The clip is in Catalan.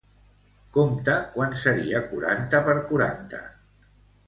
Compta quant seria quaranta per quaranta.